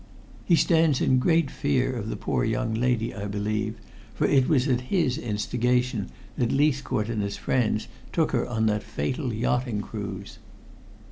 "He stands in great fear of the poor young lady, I believe, for it was at his instigation that Leithcourt and his friends took her on that fatal yachting cruise."